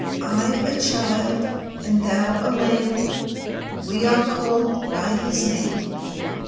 I a child, and thou a lamb, We are called by His name.